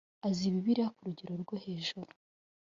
azi bibiliya kurugero rwo hejuru